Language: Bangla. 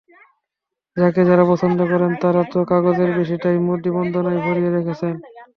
তাঁকে যাঁরা পছন্দ করেন, তাঁরা তো কাগজের বেশিটাই মোদি-বন্দনায় ভরিয়ে রেখেছেন।